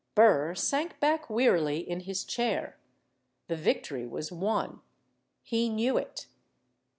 Burr sank back wearily in his chair. The victory was won. He knew it.